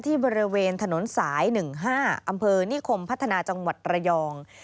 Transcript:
บริเวณถนนสาย๑๕อำเภอนิคมพัฒนาจังหวัดระยอง